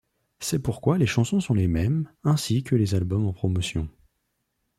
C'est pourquoi les chansons sont les mêmes, ainsi que les albums en promotions.